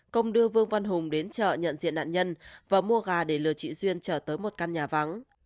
công đưa vương văn hùng đến chợ nhận diện nạn nhân và mua gà để lừa chị duyên trở tới một căn nhà vắng